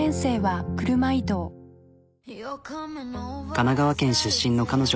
神奈川県出身の彼女。